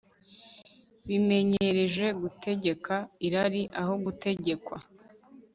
bimenyereje gutegeka irari aho gutegekwa